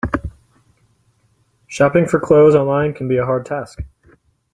Shopping for clothes online can be a hard task.